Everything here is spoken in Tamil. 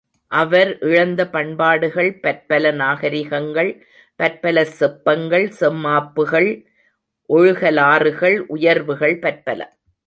அவர் இழந்த பண்பாடுகள் பற்பல நாகரிகங்கள் பற்பல செப்பங்கள், செம்மாப்புகள், ஒழுகலாறுகள், உயர்வுகள் பற்பல!